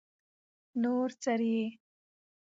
نور څنګه يې؟